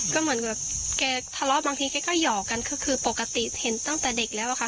ก็เหมือนแบบแกทะเลาะบางทีแกก็หยอกกันคือปกติเห็นตั้งแต่เด็กแล้วอะค่ะ